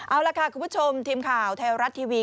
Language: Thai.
เอาล่ะค่ะคุณผู้ชมทีมข่าวไทยรัฐทีวี